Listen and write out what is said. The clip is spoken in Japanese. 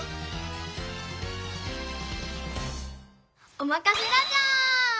おまかせラジャー！